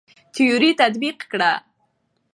تيوري تطبيق کړه.